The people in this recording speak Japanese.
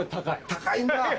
高いんだ！